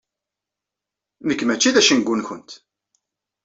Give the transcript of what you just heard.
Nekk mačči d acengu-nkent.